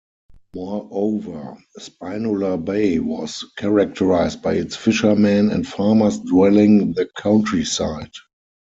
Moreover, Spinola bay was characterized by its fishermen and farmers dwelling the countryside.